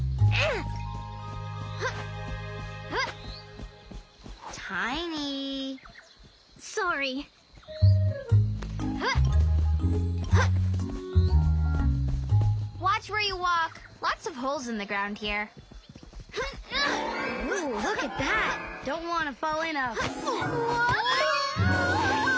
うわ！